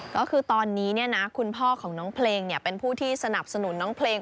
ก็คือตอนนี้คุณพ่อของน้องเพลงเป็นผู้ที่สนับสนุนน้องเพลง